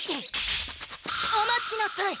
お待ちなさい！